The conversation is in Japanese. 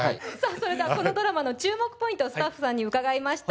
それではこのドラマの注目ポイントをスタッフさんに伺いました